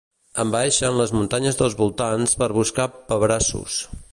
Envaeixen les muntanyes dels voltants per buscar pebrassos.